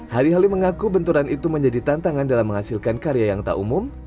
hari hari mengaku benturan itu menjadi tantangan dalam menghasilkan karya yang tak umum